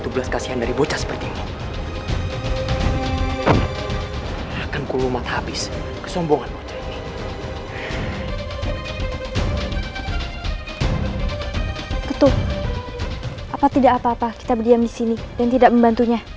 percayalah pada jaka